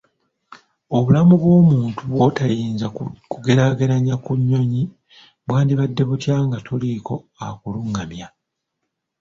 Obulamu bw'omuntu bw'otayinza kugeraageranya ku nnyonyi bwandibadde butya nga toliiko akulungamya?